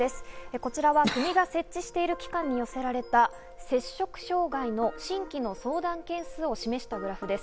こちらは国が設置している機関に寄せられた摂食障害の新規の相談件数を示したグラフです。